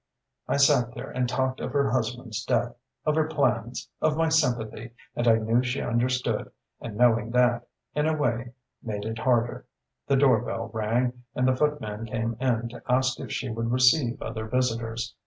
I sat there and talked of her husband's death, of her plans, of my sympathy; and I knew she understood; and knowing that, in a way, made it harder.... The door bell rang and the footman came in to ask if she would receive other visitors.